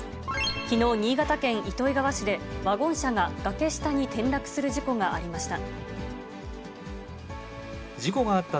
きのう、新潟県糸魚川市で、ワゴン車が崖下に転落する事故がありました。